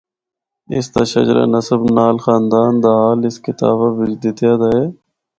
ان دا شجرہ نسب نال خاندان دا حال اس کتابا بچ دیتیا دا ہے۔